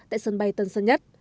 tại sân bay tân sơn nhất